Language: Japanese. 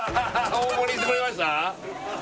大盛りにしてくれました？